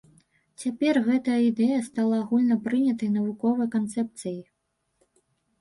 Цяпер гэтая ідэя стала агульнапрынятай навуковай канцэпцыяй.